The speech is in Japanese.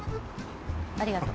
ありがとう。